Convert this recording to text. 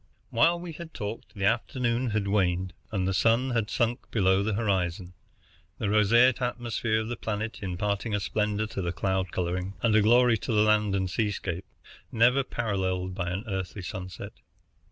While we had talked the afternoon had waned, and the sun had sunk below the horizon, the roseate atmosphere of the planet imparting a splendor to the cloud coloring, and a glory to the land and sea scape, never paralleled by an earthly sunset.